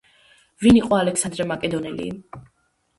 ვინ იყო ალექსანდრე მაკედონელი?